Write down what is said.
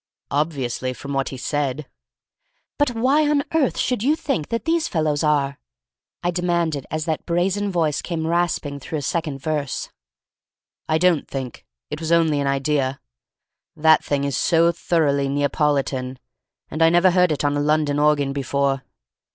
"Obviously, from what he said." "But why on earth should you think that these fellows are?" I demanded, as that brazen voice came rasping through a second verse. "I don't think. It was only an idea. That thing is so thoroughly Neapolitan, and I never heard it on a London organ before.